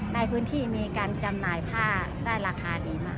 ในพื้นที่มีการจำหน่ายผ้าได้ราคาดีมาก